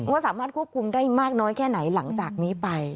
ว่าสามารถควบคุมได้มากน้อยแค่ไหนหลังจากนี้ไป